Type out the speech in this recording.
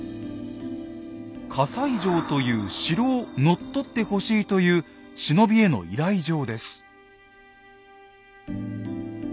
「西城という城を乗っ取ってほしい」という忍びへの依頼状です。